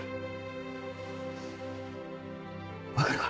分かるか？